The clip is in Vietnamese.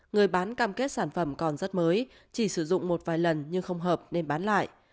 người bán cam kết sản phẩm còn rất mới chỉ sử dụng một vài lần nhưng không hợp nên bán lại